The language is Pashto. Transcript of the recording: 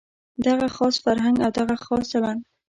دغه خاص فرهنګ او دغه خاص چلند.